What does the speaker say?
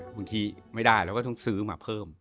บางทีไม่ได้เราก็ต้องซื้อมาเพิ่ม